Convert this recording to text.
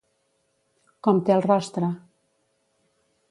Com té el rostre?